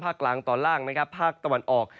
ภาคกลางตอนล่างภาคตะวันออก